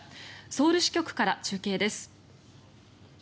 ソウル支局から中継です。